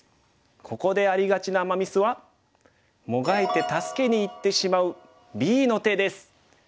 ここでありがちなアマ・ミスはもがいて助けにいってしまうＢの手です。